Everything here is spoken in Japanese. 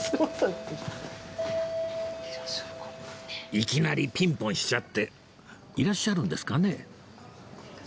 いきなりピンポンしちゃっていらっしゃるんですかね？